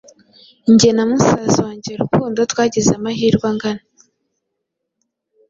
Nge na musaza wange Rukundo twagize amahirwe angana.